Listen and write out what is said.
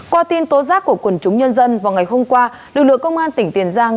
qua tin tố giác của quần chúng nhân dân vào ngày hôm qua lực lượng công an tỉnh tiền giang